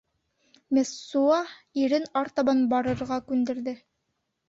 Мессуа ирен артабан барырға күндерҙе.